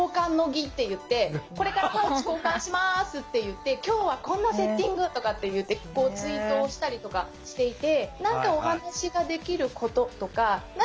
「これからパウチ交換します」って言って「今日はこんなセッティング」とかって言ってツイートをしたりとかしていて。